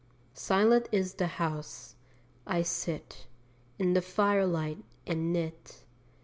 Silent is the house. I sit In the firelight and knit.